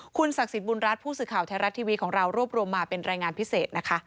คุณศักดิ์สิทธิบุญรัฐผู้สื่อข่าวไทยรัฐทีวีของเรารวบรวมมาเป็นรายงานพิเศษนะคะ